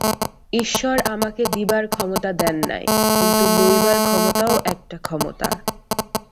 ঈশ্বর আমাকে দিবার ক্ষমতা দেন নাই, কিন্তু লইবার ক্ষমতাও একটা ক্ষমতা।